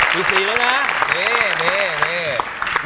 พี่ฟองอีก๑ดวงดาว